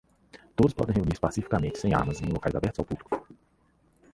todos podem reunir-se pacificamente, sem armas, em locais abertos ao público